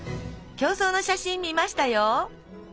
競走の写真見ましたよ。